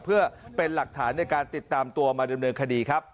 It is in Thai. เพื่อเป็นหลักฐานในการติดตามตัวมาดำเนินคดีครับ